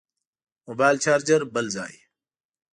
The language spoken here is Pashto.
موبایل چارچر بل ځای.